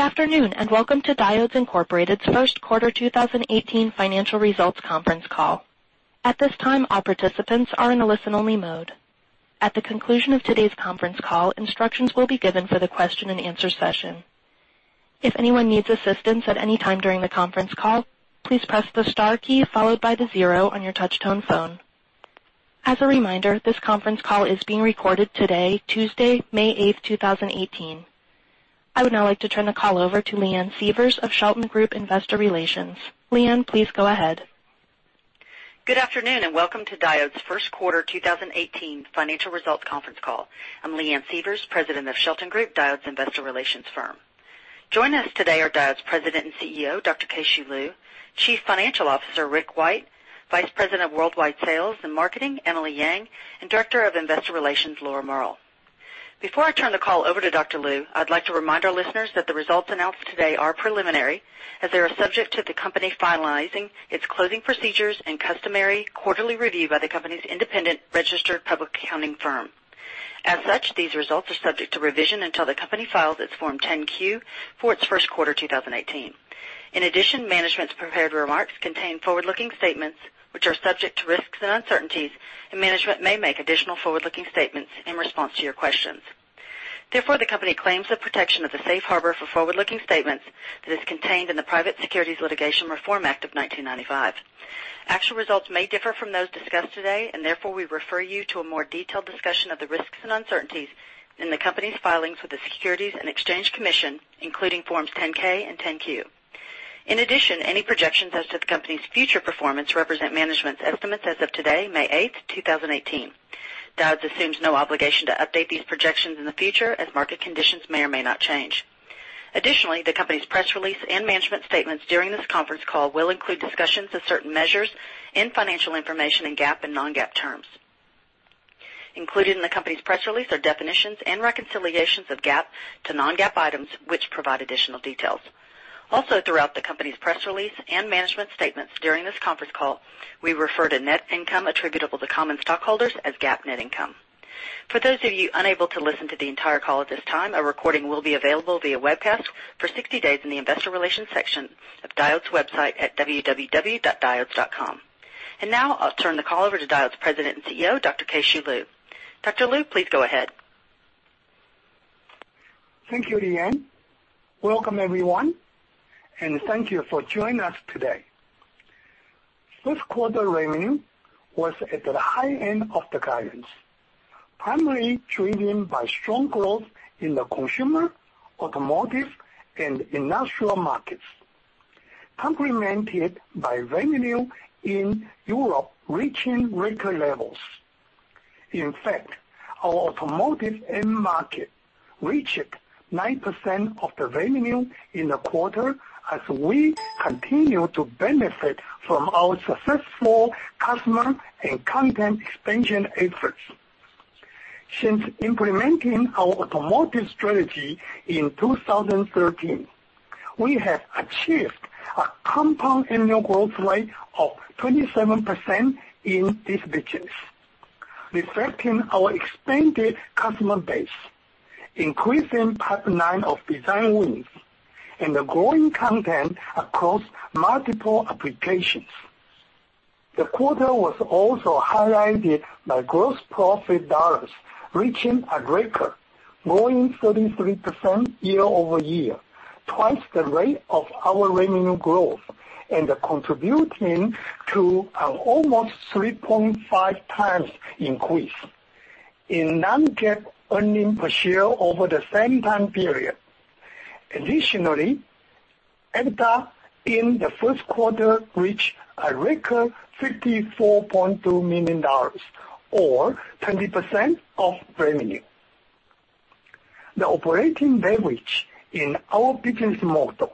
Good afternoon, welcome to Diodes Incorporated's first quarter 2018 financial results conference call. At this time, all participants are in a listen-only mode. At the conclusion of today's conference call, instructions will be given for the question and answer session. If anyone needs assistance at any time during the conference call, please press the star key followed by the zero on your touch-tone phone. As a reminder, this conference call is being recorded today, Tuesday, May 8th, 2018. I would now like to turn the call over to Leanne Sievers of Shelton Group Investor Relations. Leanne, please go ahead. Good afternoon, welcome to Diodes' first quarter 2018 financial results conference call. I'm Leanne Sievers, president of Shelton Group, Diodes' investor relations firm. Joining us today are Diodes President and CEO, Dr. Keh-Shew Lu, Chief Financial Officer Rick White, Vice President of Worldwide Sales and Marketing Emily Yang, and Director of Investor Relations Laura Mehrl. Before I turn the call over to Dr. Lu, I'd like to remind our listeners that the results announced today are preliminary as they are subject to the company finalizing its closing procedures and customary quarterly review by the company's independent registered public accounting firm. As such, these results are subject to revision until the company files its Form 10-Q for its first quarter 2018. In addition, management's prepared remarks contain forward-looking statements which are subject to risks and uncertainties, and management may make additional forward-looking statements in response to your questions. The company claims the protection of the safe harbor for forward-looking statements that is contained in the Private Securities Litigation Reform Act of 1995. Actual results may differ from those discussed today and therefore, we refer you to a more detailed discussion of the risks and uncertainties in the company's filings with the Securities and Exchange Commission, including Forms 10-K and 10-Q. Any projections as to the company's future performance represent management's estimates as of today, May 8th, 2018. Diodes assumes no obligation to update these projections in the future as market conditions may or may not change. The company's press release and management statements during this conference call will include discussions of certain measures in financial information in GAAP and non-GAAP terms. Included in the company's press release are definitions and reconciliations of GAAP to non-GAAP items which provide additional details. Throughout the company's press release and management statements during this conference call, we refer to net income attributable to common stockholders as GAAP net income. For those of you unable to listen to the entire call at this time, a recording will be available via webcast for 60 days in the investor relations section of Diodes' website at www.diodes.com. Now, I'll turn the call over to Diodes President and CEO, Dr. Keh-Shew Lu. Dr. Lu, please go ahead. Thank you, Leanne. Welcome, everyone, and thank you for joining us today. First quarter revenue was at the high end of the guidance, primarily driven by strong growth in the consumer, automotive, and industrial markets, complemented by revenue in Europe reaching record levels. In fact, our automotive end market reached 9% of the revenue in the quarter as we continue to benefit from our successful customer and content expansion efforts. Since implementing our automotive strategy in 2013, we have achieved a compound annual growth rate of 27% in this business, reflecting our expanded customer base, increasing pipeline of design wins, and the growing content across multiple applications. The quarter was also highlighted by gross profit dollars reaching a record, growing 33% year-over-year, twice the rate of our revenue growth, and contributing to an almost 3.5 times increase in non-GAAP earnings per share over the same time period. Additionally, EBITDA in the first quarter reached a record $54.2 million, or 20% of revenue. The operating leverage in our business model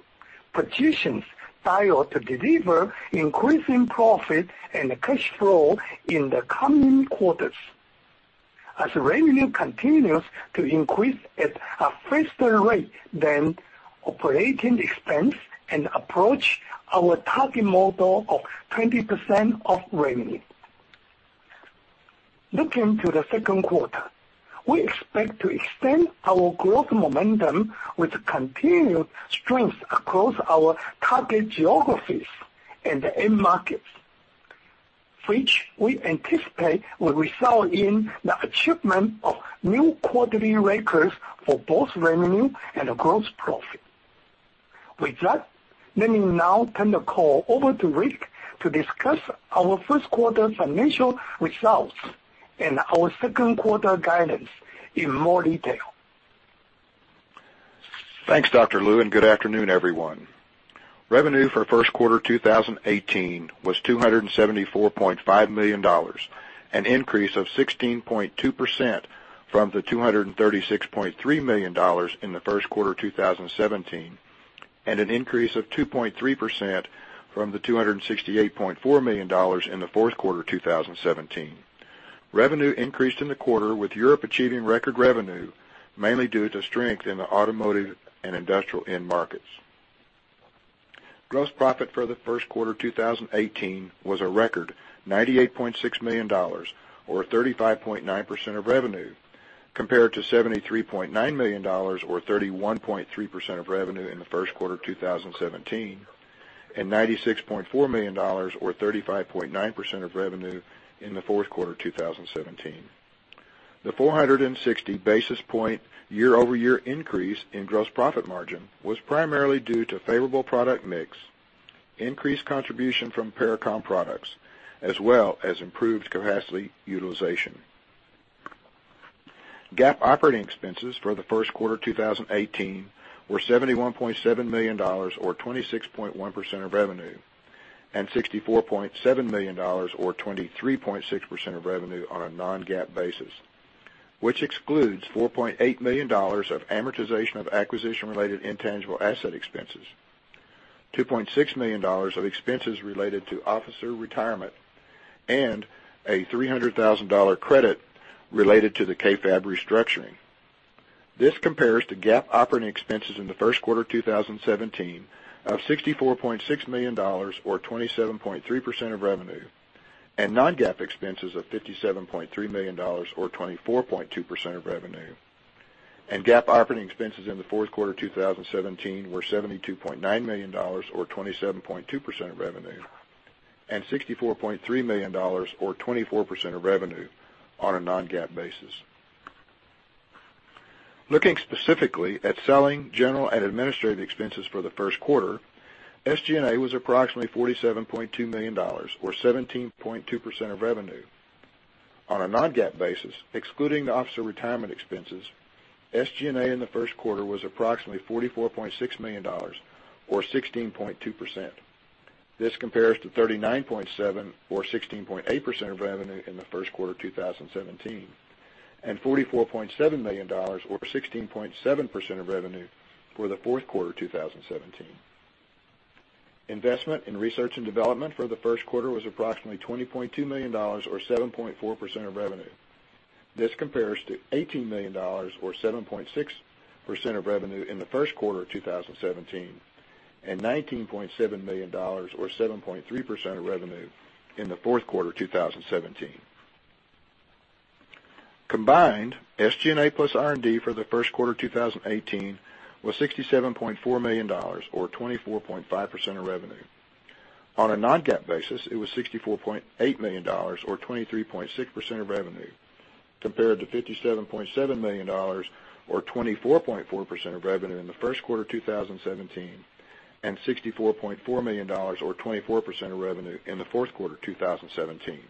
positions Diodes to deliver increasing profit and cash flow in the coming quarters as revenue continues to increase at a faster rate than operating expense and approach our target model of 22% of revenue. Looking to the second quarter, we expect to extend our growth momentum with continued strength across our target geographies and end markets, which we anticipate will result in the achievement of new quarterly records for both revenue and gross profit. With that, let me now turn the call over to Rick to discuss our first quarter financial results and our second quarter guidance in more detail. Thanks, Dr. Lu, and good afternoon, everyone. Revenue for first quarter 2018 was $274.5 million, an increase of 16.2% from the $236.3 million in the first quarter 2017, and an increase of 2.3% from the $268.4 million in the fourth quarter 2017. Revenue increased in the quarter with Europe achieving record revenue, mainly due to strength in the automotive and industrial end markets. Gross profit for the first quarter 2018 was a record $98.6 million, or 35.9% of revenue, compared to $73.9 million, or 31.3% of revenue in the first quarter 2017, and $96.4 million, or 35.9% of revenue in the fourth quarter 2017. The 460 basis point year-over-year increase in gross profit margin was primarily due to favorable product mix, increased contribution from Pericom products, as well as improved capacity utilization. GAAP operating expenses for the first quarter 2018 were $71.7 million, or 26.1% of revenue, and $64.7 million, or 23.6% of revenue on a non-GAAP basis, which excludes $4.8 million of amortization of acquisition-related intangible asset expenses, $2.6 million of expenses related to officer retirement, and a $300,000 credit related to the KFAB restructuring. This compares to GAAP operating expenses in the first quarter 2017 of $64.6 million, or 27.3% of revenue, and non-GAAP expenses of $57.3 million, or 24.2% of revenue. GAAP operating expenses in the fourth quarter 2017 were $72.9 million, or 27.2% of revenue, and $64.3 million, or 24% of revenue on a non-GAAP basis. Looking specifically at selling, general, and administrative expenses for the first quarter, SG&A was approximately $47.2 million, or 17.2% of revenue. On a non-GAAP basis, excluding the officer retirement expenses, SG&A in the first quarter was approximately $44.6 million, or 16.2%. This compares to $39.7 million or 16.8% of revenue in the first quarter 2017, and $44.7 million or 16.7% of revenue for the fourth quarter 2017. Investment in R&D for the first quarter was approximately $20.2 million, or 7.4% of revenue. This compares to $18 million, or 7.6% of revenue in the first quarter of 2017, and $19.7 million or 7.3% of revenue in the fourth quarter 2017. Combined, SG&A plus R&D for the first quarter 2018 was $67.4 million, or 24.5% of revenue. On a non-GAAP basis, it was $64.8 million or 23.6% of revenue, compared to $57.7 million or 24.4% of revenue in the first quarter 2017, and $64.4 million or 24% of revenue in the fourth quarter 2017.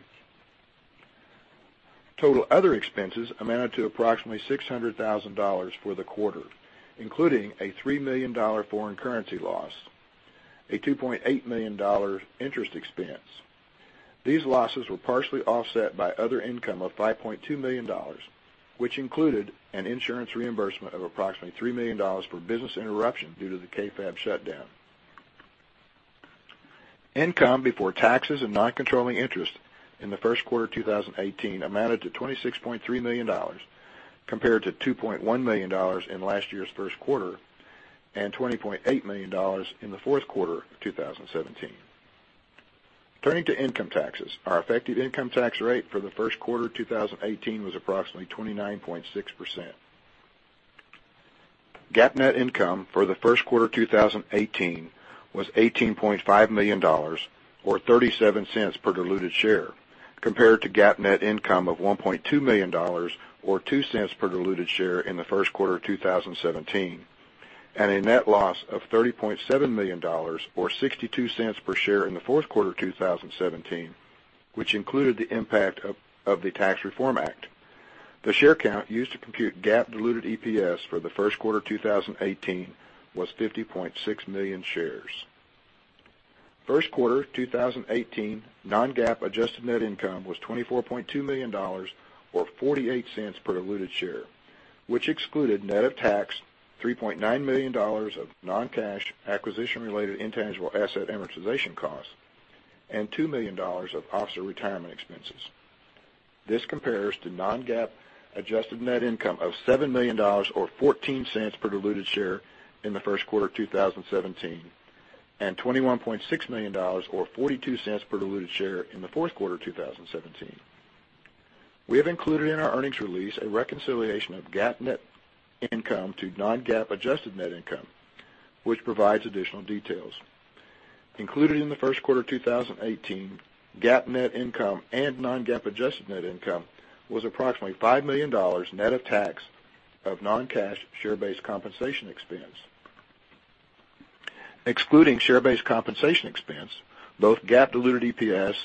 Total other expenses amounted to approximately $600,000 for the quarter, including a $3 million foreign currency loss, a $2.8 million interest expense. These losses were partially offset by other income of $5.2 million, which included an insurance reimbursement of approximately $3 million for business interruption due to the KFAB shutdown. Income before taxes and non-controlling interest in the first quarter 2018 amounted to $26.3 million, compared to $2.1 million in last year's first quarter, and $20.8 million in the fourth quarter of 2017. Turning to income taxes, our effective income tax rate for the first quarter 2018 was approximately 29.6%. GAAP net income for the first quarter 2018 was $18.5 million, or $0.37 per diluted share, compared to GAAP net income of $1.2 million, or $0.02 per diluted share in the first quarter of 2017, and a net loss of $30.7 million, or $0.62 per share in the fourth quarter 2017, which included the impact of the Tax Reform Act. The share count used to compute GAAP diluted EPS for the first quarter 2018 was 50.6 million shares. First quarter 2018 non-GAAP adjusted net income was $24.2 million, or $0.48 per diluted share, which excluded net of tax $3.9 million of non-cash acquisition-related intangible asset amortization costs, and $2 million of officer retirement expenses. This compares to non-GAAP adjusted net income of $7 million, or $0.14 per diluted share in the first quarter of 2017, and $21.6 million or $0.42 per diluted share in the fourth quarter 2017. We have included in our earnings release a reconciliation of GAAP net income to non-GAAP adjusted net income, which provides additional details. Included in the first quarter 2018, GAAP net income and non-GAAP adjusted net income was approximately $5 million net of tax of non-cash share-based compensation expense. Excluding share-based compensation expense, both GAAP diluted EPS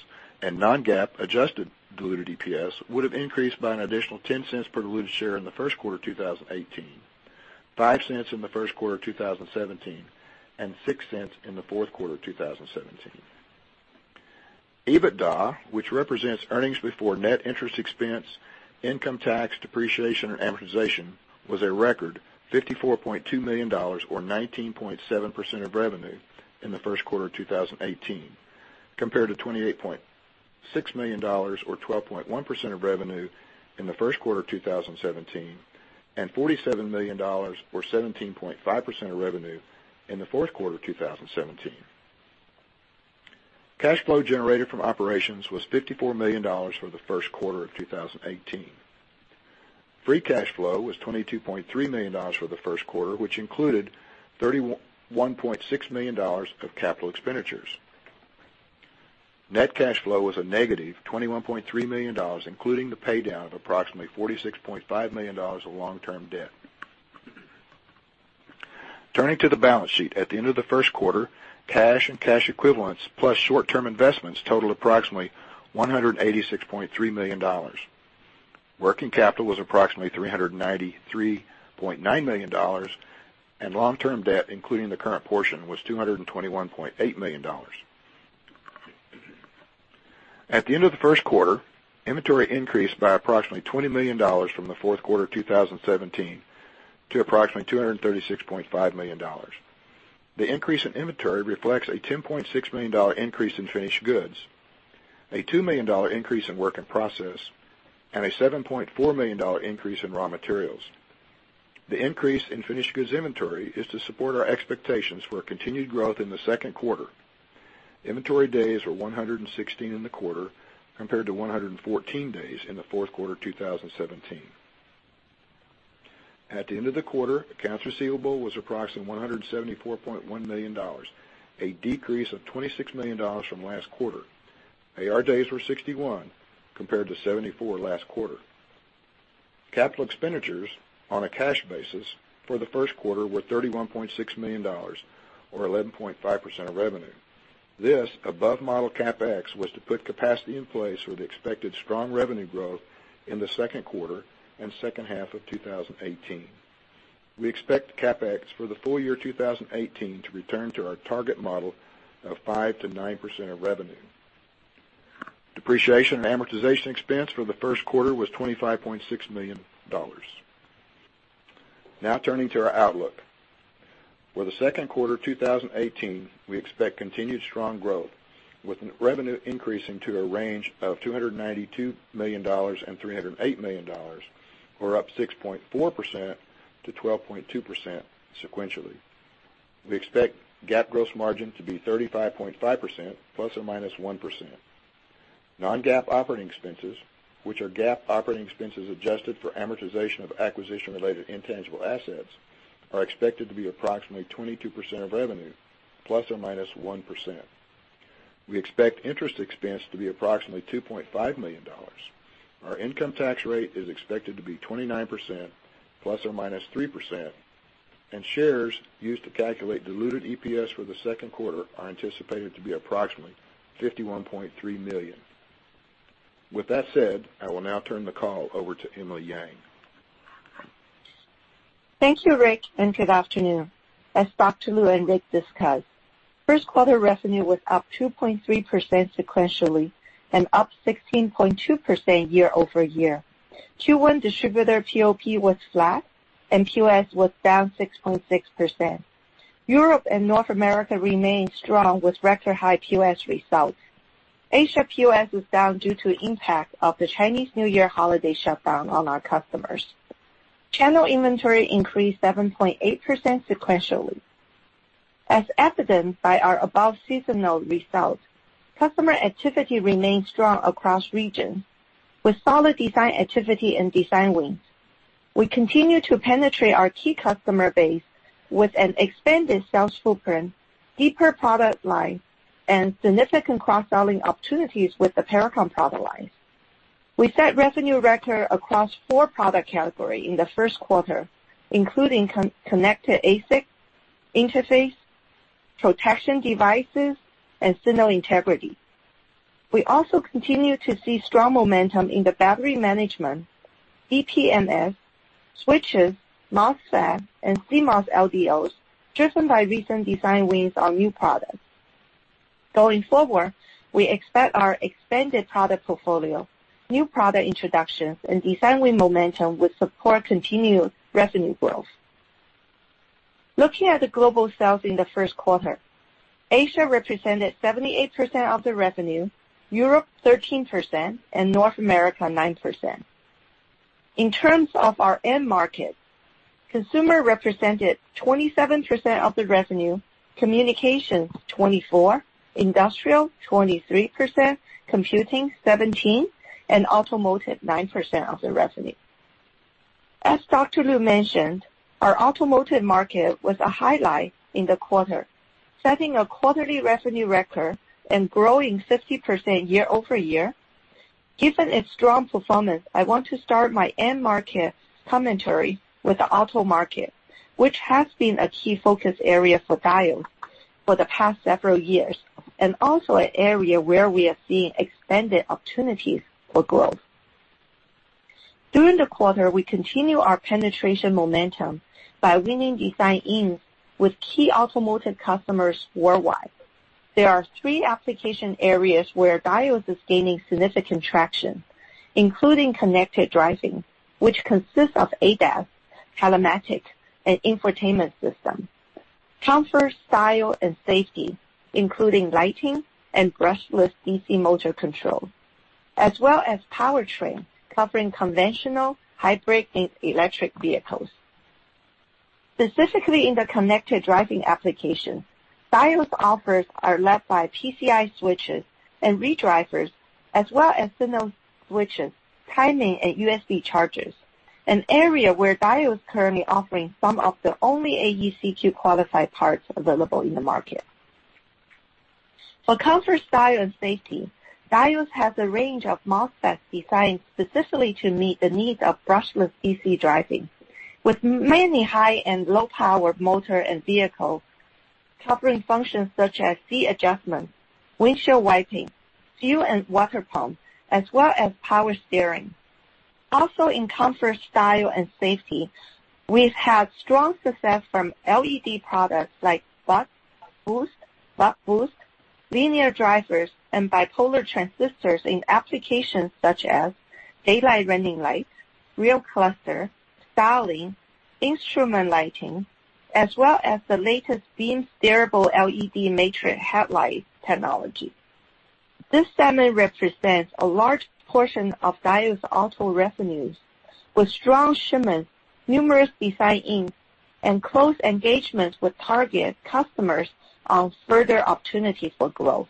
and non-GAAP adjusted diluted EPS would have increased by an additional $0.10 per diluted share in the first quarter 2018, $0.05 in the first quarter 2017, and $0.06 in the fourth quarter 2017. EBITDA, which represents earnings before net interest expense, income tax, depreciation, and amortization, was a record $54.2 million or 19.7% of revenue in the first quarter 2018. Compared to $28.6 million, or 12.1% of revenue in the first quarter 2017, and $47 million, or 17.5% of revenue in the fourth quarter 2017. Cash flow generated from operations was $54 million for the first quarter of 2018. Free cash flow was $22.3 million for the first quarter, which included $31.6 million of CapEx. Net cash flow was a negative $21.3 million, including the paydown of approximately $46.5 million of long-term debt. Turning to the balance sheet. At the end of the first quarter, cash and cash equivalents, plus short-term investments totaled approximately $186.3 million. Working capital was approximately $393.9 million, and long-term debt, including the current portion, was $221.8 million. At the end of the first quarter, inventory increased by approximately $20 million from the fourth quarter 2017 to approximately $236.5 million. The increase in inventory reflects a $10.6 million increase in finished goods, a $2 million increase in work in process, and a $7.4 million increase in raw materials. The increase in finished goods inventory is to support our expectations for a continued growth in the second quarter. Inventory days were 116 in the quarter, compared to 114 days in the fourth quarter 2017. At the end of the quarter, accounts receivable was approximately $174.1 million, a decrease of $26 million from last quarter. AR days were 61, compared to 74 last quarter. Capital expenditures on a cash basis for the first quarter were $31.6 million, or 11.5% of revenue. This above model CapEx was to put capacity in place for the expected strong revenue growth in the second quarter and second half of 2018. We expect CapEx for the full year 2018 to return to our target model of 5%-9% of revenue. Depreciation and amortization expense for the first quarter was $25.6 million. Turning to our outlook. For the second quarter 2018, we expect continued strong growth with revenue increasing to a range of $292 million-$308 million, or up 6.4%-12.2% sequentially. We expect GAAP gross margin to be 35.5% ±1%. Non-GAAP operating expenses, which are GAAP operating expenses adjusted for amortization of acquisition-related intangible assets, are expected to be approximately 22% of revenue, ±1%. We expect interest expense to be approximately $2.5 million. Our income tax rate is expected to be 29% ±3%, and shares used to calculate diluted EPS for the second quarter are anticipated to be approximately 51.3 million. I will now turn the call over to Emily Yang. Thank you, Rick. Good afternoon. As Dr. Lu and Rick discussed, first quarter revenue was up 2.3% sequentially and up 16.2% year-over-year. Q1 distributor POP was flat. POS was down 6.6%. Europe and North America remained strong with record high POS results. Asia POS was down due to impact of the Chinese New Year holiday shutdown on our customers. Channel inventory increased 7.8% sequentially. As evidenced by our above seasonal results, customer activity remained strong across regions with solid design activity and design wins. We continue to penetrate our key customer base with an expanded sales footprint, deeper product line, and significant cross-selling opportunities with the Pericom product lines. We set revenue record across 4 product category in the first quarter, including connectivity ASIC, interface, protection devices, and Signal Integrity. We also continue to see strong momentum in the battery management, DPMS, switches, MOSFET, and CMOS LDOs, driven by recent design wins on new products. Going forward, we expect our expanded product portfolio, new product introductions, and design-in momentum will support continued revenue growth. Looking at the global sales in the first quarter, Asia represented 78% of the revenue, Europe 13%, and North America 9%. In terms of our end market, consumer represented 27% of the revenue, communication 24%, industrial 23%, computing 17%, and automotive 9% of the revenue. As Dr. Lu mentioned, our automotive market was a highlight in the quarter, setting a quarterly revenue record and growing 50% year-over-year. Given its strong performance, I want to start my end market commentary with the auto market, which has been a key focus area for Diodes for the past several years, and also an area where we are seeing expanded opportunities for growth. During the quarter, we continue our penetration momentum by winning design-ins with key automotive customers worldwide. There are three application areas where Diodes is gaining significant traction. Including connected driving, which consists of ADAS, telematics, and infotainment system. Comfort, style, and safety, including lighting and brushless DC motor control, as well as powertrain, covering conventional, hybrid, and electric vehicles. Specifically in the connected driving application, Diodes offers are led by PCIe switches and redrivers, as well as signal switches, timing, and USB chargers, an area where Diodes is currently offering some of the only AEC-Q qualified parts available in the market. For comfort, style, and safety, Diodes has a range of MOSFETs designed specifically to meet the needs of brushless DC driving. With many high and low-power motor and vehicle, covering functions such as seat adjustments, windshield wiping, fuel and water pump, as well as power steering. Also in comfort, style, and safety, we've had strong success from LED products like buck, boost, buck-boost, linear drivers, and bipolar transistors in applications such as daylight running lights, rear cluster, styling, instrument lighting, as well as the latest beam steerable LED matrix headlight technology. This segment represents a large portion of Diodes auto revenues with strong shipments, numerous design-ins, and close engagements with target customers on further opportunities for growth.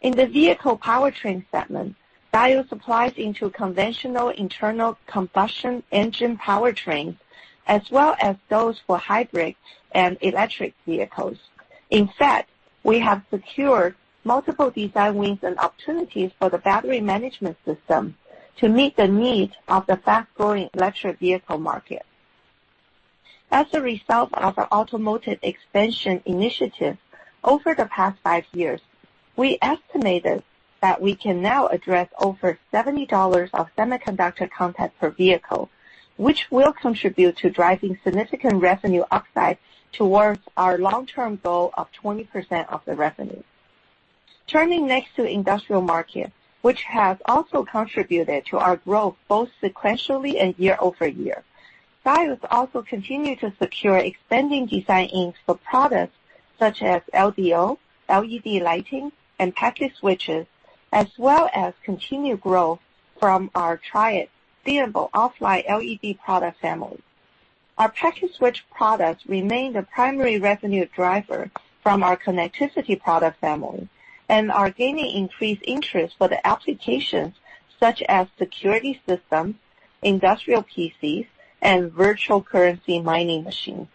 In the vehicle powertrain segment, Diodes supplies into conventional internal combustion engine powertrains, as well as those for hybrid and electric vehicles. In fact, we have secured multiple design wins and opportunities for the battery management system to meet the needs of the fast-growing electric vehicle market. As a result of our automotive expansion initiative, over the past five years, we estimated that we can now address over $70 of semiconductor content per vehicle, which will contribute to driving significant revenue upside towards our long-term goal of 20% of the revenue. Turning next to industrial market, which has also contributed to our growth both sequentially and year-over-year. Diodes also continued to secure expanding design-ins for products such as LDO, LED lighting, and packet switches, as well as continued growth from our TRIAC, dimmable off-line LED product family. Our packet switch products remain the primary revenue driver from our connectivity product family and are gaining increased interest for the applications such as security systems, industrial PCs, and virtual currency mining machines.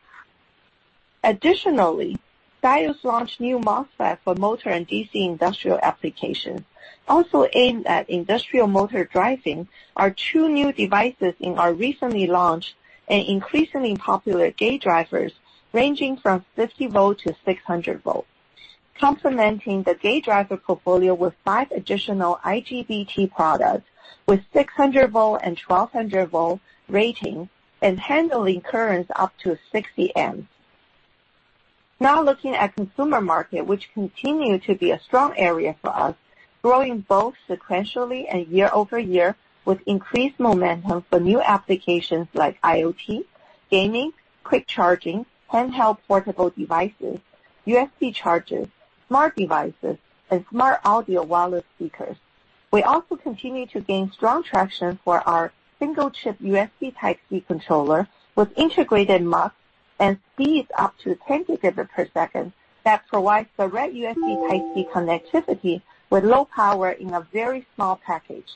Additionally, Diodes launched new MOSFET for motor and DC industrial applications. Also aimed at industrial motor driving are two new devices in our recently launched and increasingly popular gate drivers, ranging from 50 volt to 600 volt. Complementing the gate driver portfolio with five additional IGBT products with 600 volt and 1,200 volt rating and handling currents up to 60 amps. Now looking at consumer market, which continue to be a strong area for us, growing both sequentially and year-over-year with increased momentum for new applications like IoT, gaming, quick charging, handheld portable devices, USB chargers, smart devices, and smart audio wireless speakers. We also continue to gain strong traction for our single-chip USB Type-C controller with integrated MUX and speeds up to 10 gigabit per second that provides the right USB Type-C connectivity with low power in a very small package.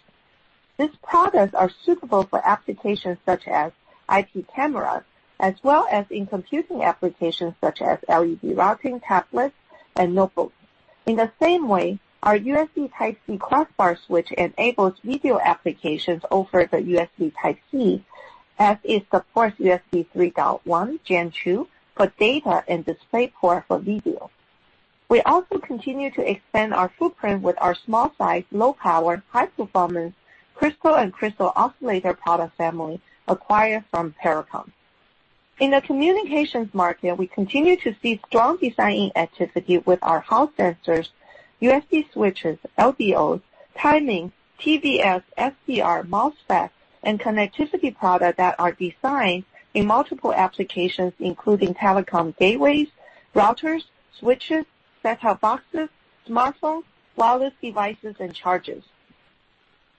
These products are suitable for applications such as IP cameras, as well as in computing applications such as [LED routing tablets] and notebooks. In the same way, our USB Type-C crossbar switch enables video applications over the USB Type-C, as it supports USB 3.1 Gen 2 for data and DisplayPort for video. We also continue to expand our footprint with our small size, low power, high-performance crystal and crystal oscillator product family acquired from Pericom. In the communications market, we continue to see strong design-in activity with our Hall sensors, USB switches, LDOs, timing, TVS, Schottky, MOSFETs, and connectivity product that are designed in multiple applications, including telecom gateways, routers, switches, set-top boxes, smartphones, wireless devices, and chargers.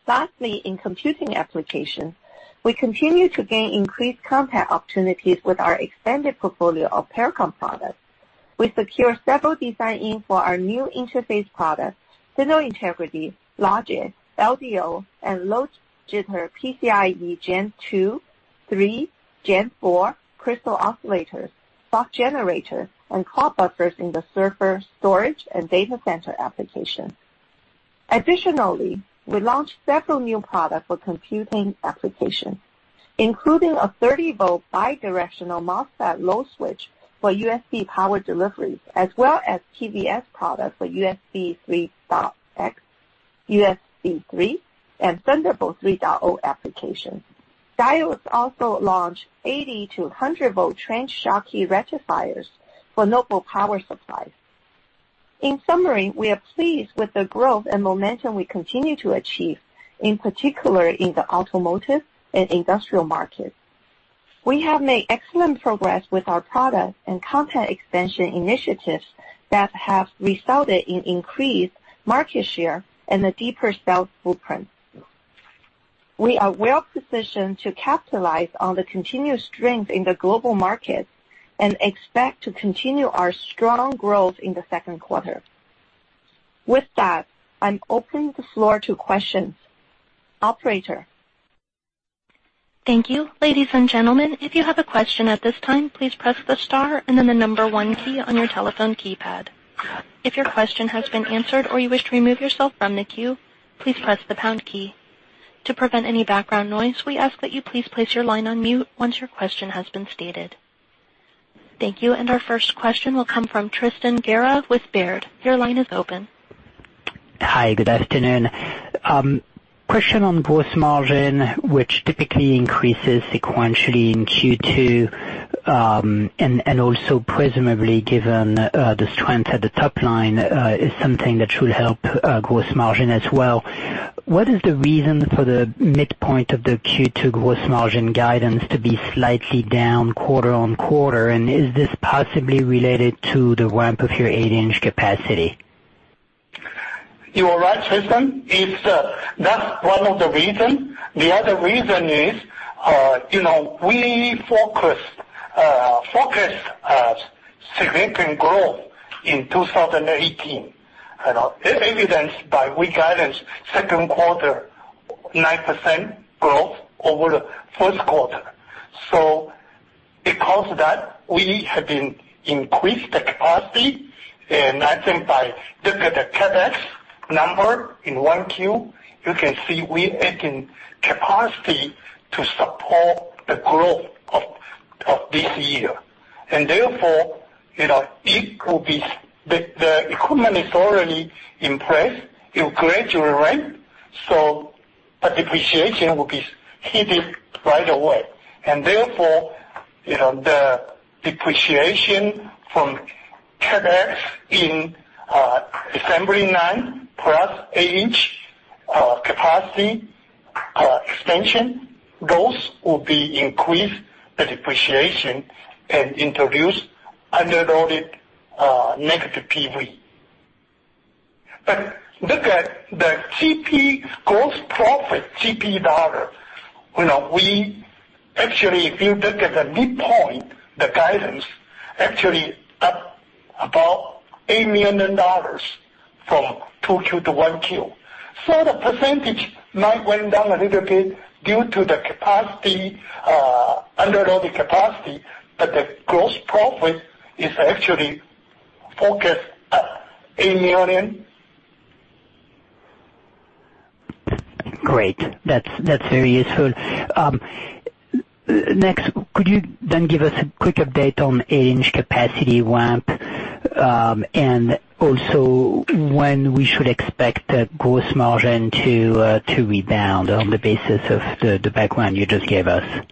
Lastly, in computing applications, we continue to gain increased content opportunities with our expanded portfolio of Pericom products. We secure several design-ins for our new interface products, signal integrity, logic, LDO, and low jitter PCIe Gen 2, 3, Gen 4 crystal oscillators, clock generators, and clock buffers in the server, storage, and data center application. Additionally, we launched several new products for computing applications, including a 30-volt bidirectional MOSFET load switch for USB Power Delivery, as well as TVS products for USB 3.x, USB 3, and Thunderbolt 3 applications. Diodes also launched 80 to 100 volt trench Schottky rectifiers for notebook power supplies. In summary, we are pleased with the growth and momentum we continue to achieve, in particular in the automotive and industrial markets. We have made excellent progress with our products and content expansion initiatives that have resulted in increased market share and a deeper sales footprint. We are well-positioned to capitalize on the continued strength in the global markets and expect to continue our strong growth in the second quarter. With that, I'm opening the floor to questions. Operator? Thank you. Ladies and gentlemen, if you have a question at this time, please press the star and then the number 1 key on your telephone keypad. If your question has been answered or you wish to remove yourself from the queue, please press the pound key. To prevent any background noise, we ask that you please place your line on mute once your question has been stated. Thank you. Our first question will come from Tristan Gerra with Baird. Your line is open. Hi. Good afternoon. Question on gross margin, which typically increases sequentially in Q2, also presumably given the strength at the top line is something that should help gross margin as well. What is the reason for the midpoint of the Q2 gross margin guidance to be slightly down quarter-on-quarter? Is this possibly related to the ramp of your eight-inch capacity? You are right, Tristan. That's one of the reasons. The other reason is, we forecast significant growth in 2018, evidenced by we guidance second quarter, 9% growth over the first quarter. Because of that, we have been increased the capacity, I think by look at the CapEx number in 1Q, you can see we adding capacity to support the growth of this year. Therefore, the equipment is already in place. It will gradually ramp, so the depreciation will be heated right away. Therefore, the depreciation from CapEx in assembly line, plus eight-inch capacity extension, those will be increased the depreciation and introduce underloaded negative PV. Look at the gross profit, GP dollar. If you look at the midpoint, the guidance actually up about $8 million from Q2 to Q1. The percentage might went down a little bit due to the underloaded capacity, the gross profit is actually forecast at $80 million. Great. That's very useful. Could you then give us a quick update on 8-inch capacity ramp, and also when we should expect gross margin to rebound on the basis of the background you just gave us?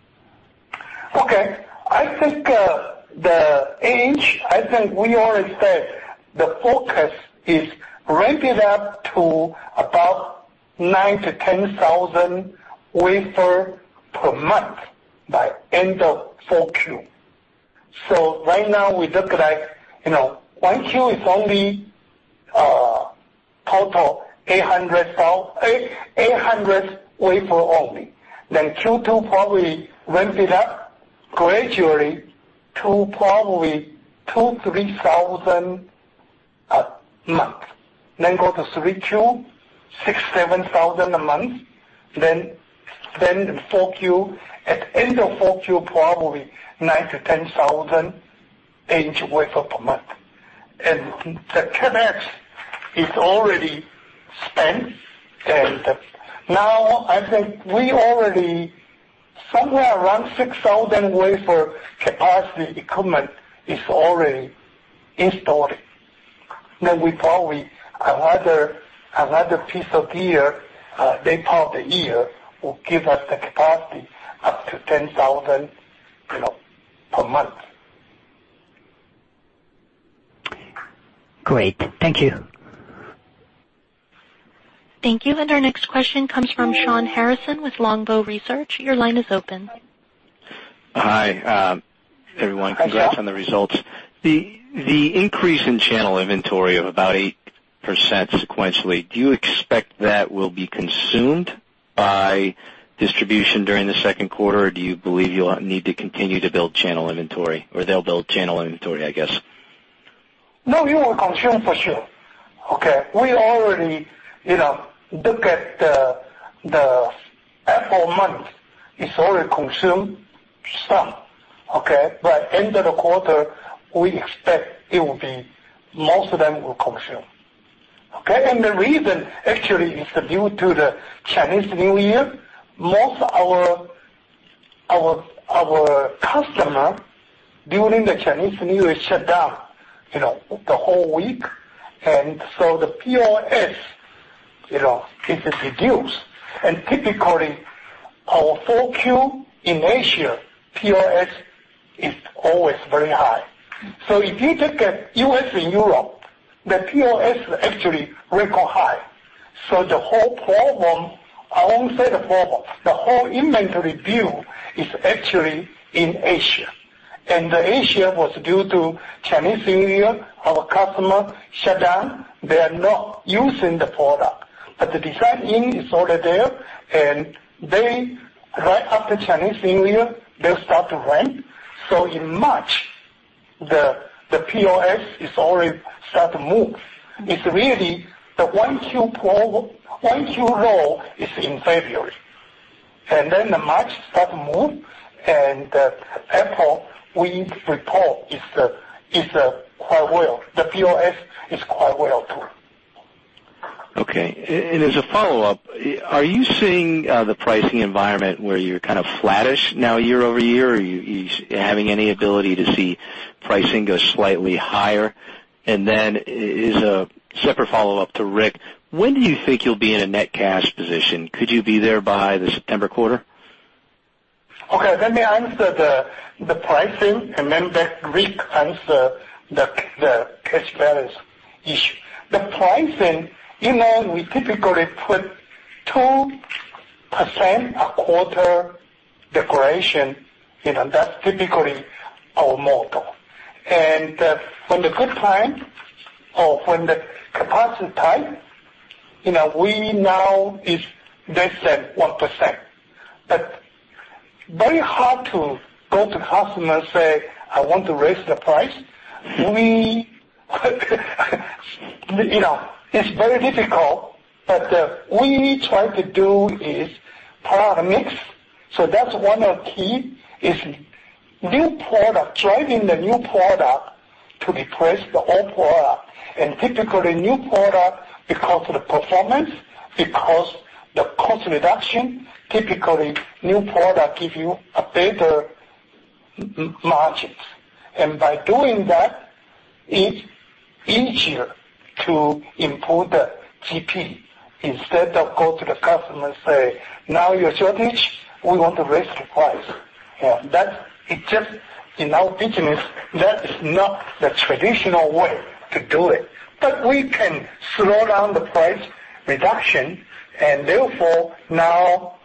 I think the 8-inch, I think we already said the focus is ramp it up to about 9,000-10,000 wafer per month by end of 4Q. Right now we look like 1Q is only total 800 wafer only. Q2 probably ramp it up gradually to probably 2,000-3,000 a month. Go to 3Q, 6,000-7,000 a month. At end of 4Q, probably 9,000-10,000 8-inch wafer per month. The CapEx is already spent. Now I think we already somewhere around 6,000 wafer capacity equipment is already installed. We probably another piece of gear later part of the year will give us the capacity up to 10,000 per month. Great. Thank you. Thank you. Our next question comes from Sean Harrison with Longbow Research. Your line is open. Hi, everyone. Hi, Sean. Congrats on the results. The increase in channel inventory of about 8% sequentially, do you expect that will be consumed by distribution during the second quarter, or do you believe you'll need to continue to build channel inventory, or they'll build channel inventory, I guess? No, we will consume for sure. Okay. We already look at the April month, it's already consumed some. Okay? By end of the quarter, we expect most of them will consume. Okay? The reason actually is due to the Chinese New Year. Most our customer during the Chinese New Year shut down the whole week. The POS It is reduced. Typically, our 4Q in Asia, POS is always very high. If you look at U.S. and Europe, the POS is actually record high. The whole problem, I won't say the problem, the whole inventory build is actually in Asia. Asia was due to Chinese New Year. Our customer shut down. They are not using the product, but the design in is already there, and right after Chinese New Year, they'll start to ramp. In March, the POS is already start to move. It's really the 1Q lull is in February, and then March start to move, and April we report is quite well. The POS is quite well too. Okay. As a follow-up, are you seeing the pricing environment where you're kind of flattish now year-over-year? Are you having any ability to see pricing go slightly higher? As a separate follow-up to Rick, when do you think you'll be in a net cash position? Could you be there by the September quarter? Okay. Let me answer the pricing, and then let Rick answer the cash balance issue. The pricing, you know we typically put 2% a quarter declaration. That's typically our model. From the good time or when the capacity tight, we now it's less than 1%. Very hard to go to customer say, "I want to raise the price." It's very difficult, but we try to do is product mix, so that's one of key, is new product, driving the new product to replace the old product. Typically, new product, because of the performance, because the cost reduction, typically, new product give you a better margin. By doing that, it's easier to improve the GP. Instead of go to the customer say, "Now you're shortage, we want to raise the price." In our business, that is not the traditional way to do it. We can slow down the price reduction, and therefore, now,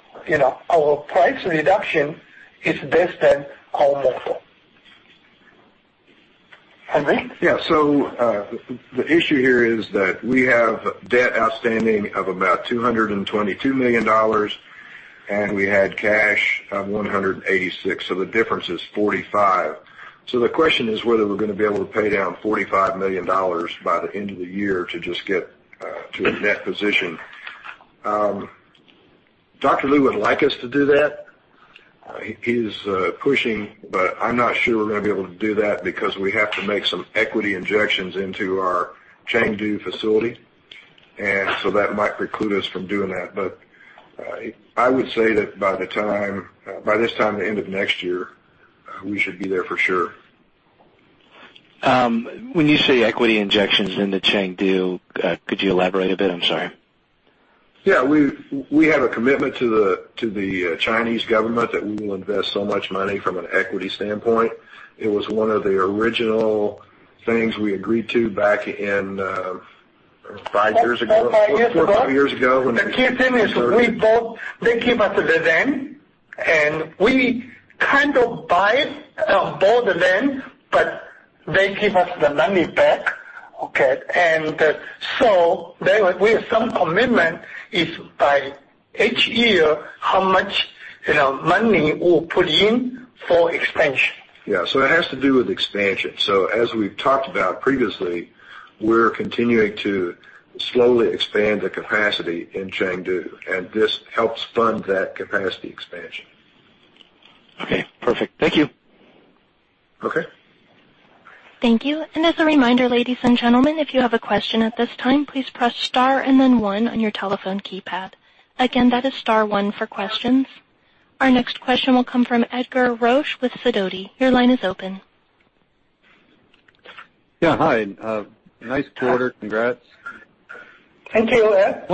our price reduction is less than our model. Rick? Yeah. The issue here is that we have debt outstanding of about $222 million, and we had cash of $186 million, the difference is $45 million. The question is whether we're going to be able to pay down $45 million by the end of the year to just get to a net position. Dr. Lu would like us to do that. He's pushing, but I'm not sure we're going to be able to do that because we have to make some equity injections into our Chengdu facility, that might preclude us from doing that. I would say that by this time, the end of next year, we should be there for sure. When you say equity injections into Chengdu, could you elaborate a bit? I'm sorry. Yeah. We have a commitment to the Chinese government that we will invest so much money from an equity standpoint. It was one of the original things we agreed to back in five years ago- Yes. A couple years ago when we- The key thing is they give us the land, and we kind of buy both the land, but they give us the money back, okay? We have some commitment is by each year, how much money we'll put in for expansion. It has to do with expansion. As we've talked about previously, we're continuing to slowly expand the capacity in Chengdu, and this helps fund that capacity expansion. Perfect. Thank you. Okay. Thank you. As a reminder, ladies and gentlemen, if you have a question at this time, please press star and then one on your telephone keypad. Again, that is star one for questions. Our next question will come from Edgar Roesch with Sidoti. Your line is open. Yeah. Hi. Nice quarter. Congrats. Thank you, Ed.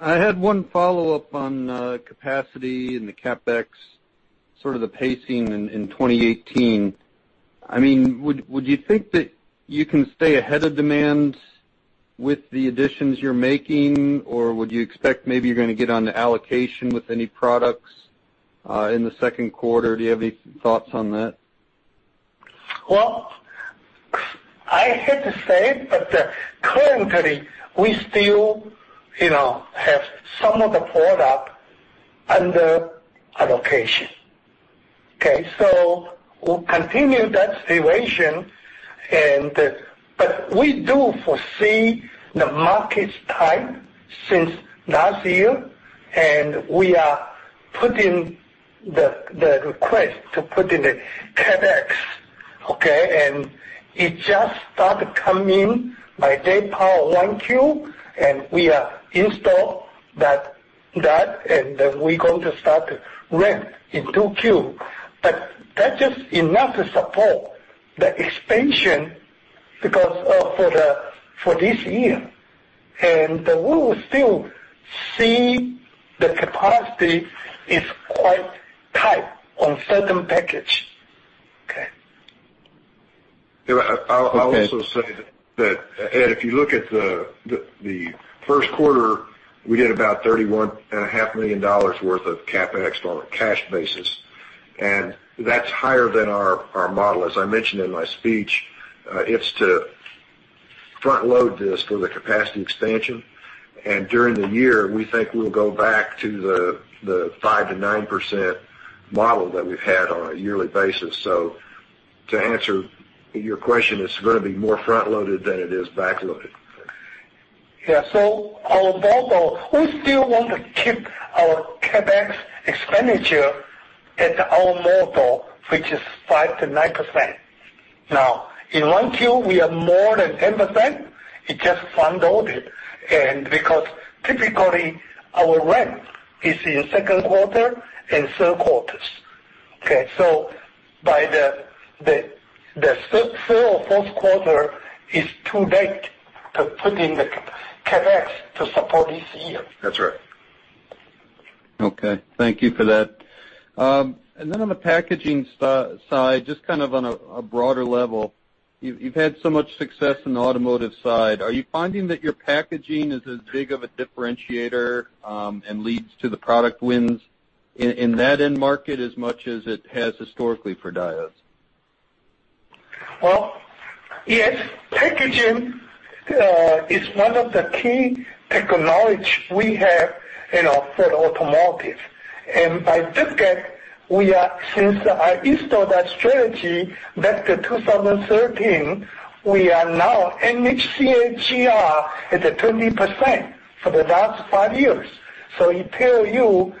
I had one follow-up on capacity and the CapEx, sort of the pacing in 2018. Would you think that you can stay ahead of demands with the additions you're making, or would you expect maybe you're going to get on the allocation with any products in the second quarter? Do you have any thoughts on that? Well, I hate to say it, but currently we still have some of the product under allocation. Okay. We'll continue that situation. We do foresee the markets tight since last year, and we are putting the request to put in the CapEx, okay? It just start to come in by date of 1Q, and we install that, and then we're going to start to ramp in 2Q. That's just enough to support The expansion for this year, and we will still see the capacity is quite tight on certain package. Okay. I'll also say that if you look at the first quarter, we did about $31.5 million worth of CapEx on a cash basis. That's higher than our model. As I mentioned in my speech, it's to front-load this for the capacity expansion. During the year, we think we'll go back to the 5%-9% model that we've had on a yearly basis. To answer your question, it's going to be more front-loaded than it is back-loaded. Yeah. Our model, we still want to keep our CapEx expenditure at our model, which is 5%-9%. Now, in 1Q, we are more than 10%, it just front-loaded, because typically our ramp is in second quarter and third quarters. Okay? By the third or fourth quarter is too late to put in the CapEx to support this year. That's right. Okay. Thank you for that. Then on the packaging side, just kind of on a broader level, you've had so much success in the automotive side. Are you finding that your packaging is as big of a differentiator, and leads to the product wins in that end market as much as it has historically for Diodes? Well, yes. Packaging is one of the key technology we have in our third automotive. By look at, since I installed that strategy back to 2013, we are now in CAGR at the 20% for the last five years. It tell you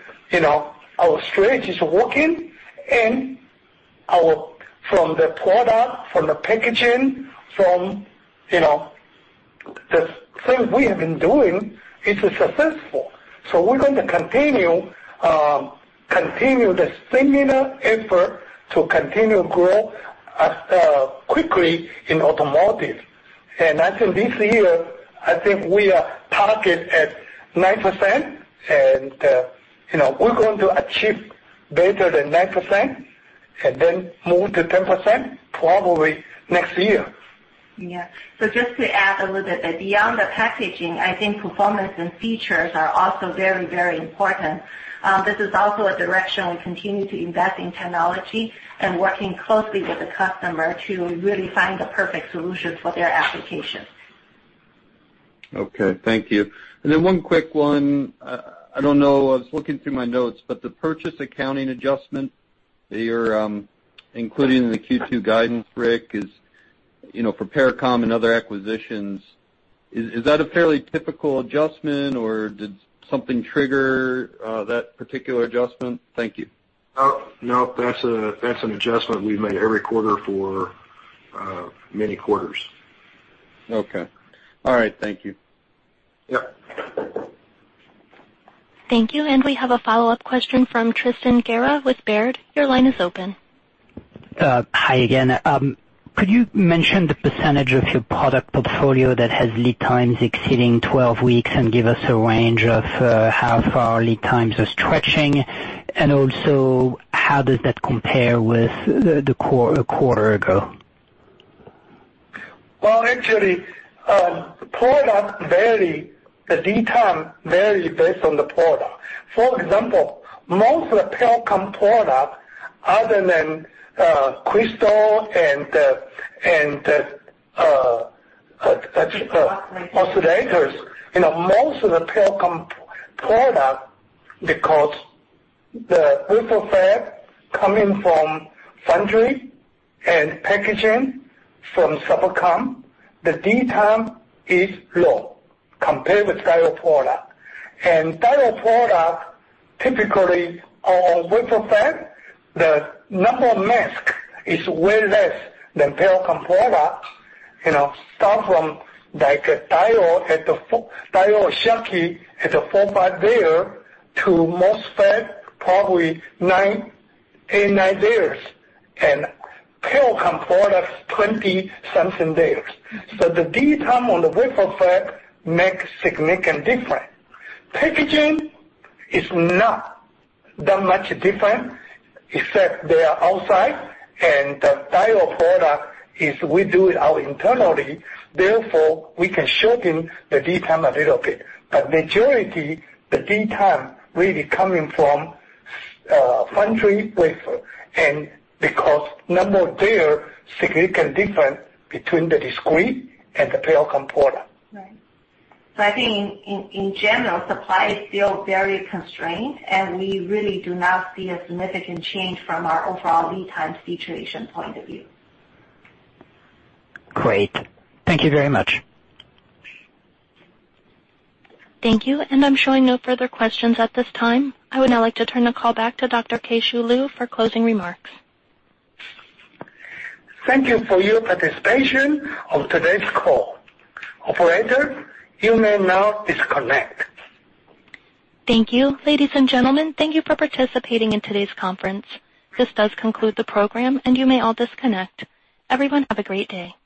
our strategy is working, and from the product, from the packaging, from the things we have been doing, it is successful. We're going to continue the similar effort to continue grow quickly in automotive. I think this year, we are target at 9%, and we're going to achieve better than 9%, and then move to 10% probably next year. Yeah. Just to add a little bit that beyond the packaging, I think performance and features are also very important. This is also a direction we continue to invest in technology and working closely with the customer to really find the perfect solution for their application. Okay. Thank you. One quick one, I don't know, I was looking through my notes, but the purchase accounting adjustment that you're including in the Q2 guidance, Rick, is for Pericom and other acquisitions. Is that a fairly typical adjustment, or did something trigger that particular adjustment? Thank you. No. That's an adjustment we've made every quarter for many quarters. Okay. All right. Thank you. Yeah. Thank you. We have a follow-up question from Tristan Gerra with Baird. Your line is open. Hi again. Could you mention the percentage of your product portfolio that has lead times exceeding 12 weeks and give us a range of how far lead times are stretching, and also how does that compare with a quarter ago? Well, actually, product vary. The lead time vary based on the product. For example, most of the Pericom product other than crystal. Oscillators oscillators. Most of the Pericom product, because the wafer fab coming from foundry and packaging from subcon, the lead time is low compared with Diodes product. Diodes product typically on wafer fab, the number of masks is way less than Pericom product. Start from like a diode Schottky at the four, five layers to MOSFET, probably eight, nine layers, Pericom product, 20-something layers. The lead time on the wafer fab makes significant difference. Packaging is not that much different except they are outside, and the Diodes product is we do it out internally, therefore, we can shorten the lead time a little bit. Majority, the lead time really coming from foundry wafer, because number of layers significant difference between the discrete and the Pericom product. Right. I think in general, supply is still very constrained, we really do not see a significant change from our overall lead time situation point of view. Great. Thank you very much. Thank you. I'm showing no further questions at this time. I would now like to turn the call back to Dr. Keh-Shew Lu for closing remarks. Thank you for your participation on today's call. Operator, you may now disconnect. Thank you. Ladies and gentlemen, thank you for participating in today's conference. This does conclude the program, and you may all disconnect. Everyone have a great day.